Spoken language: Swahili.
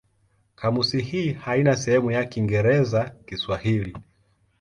Kamusi hii haina sehemu ya Kiingereza-Kiswahili.